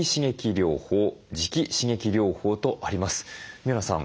三村さん